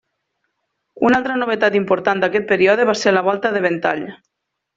Una altra novetat important d'aquest període va ser la volta de ventall.